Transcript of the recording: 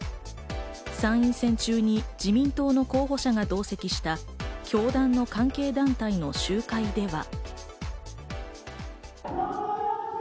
参院選中に自民党の候補者が同席した教団の関係団体の集会では。